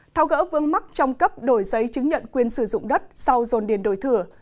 thao gỡ vướng mắt trong cấp đổi giấy chứng nhận quyền sử dụng đất sau dồn điền đổi thừa